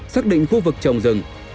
xác định khu vực trồng rừng